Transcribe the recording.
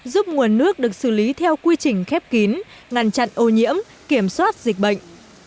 giúp nguồn nước được xử lý theo quy trình khép kín ngăn chặn ô nhiễm kiểm soát dịch bệnh